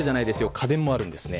家電もあるんですね。